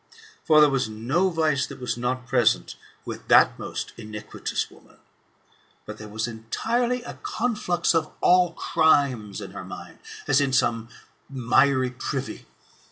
For there was no vice that was not present with that most iniquitous woman. But there was entirely a conflux of all crimes in her mind, as in some miry privy.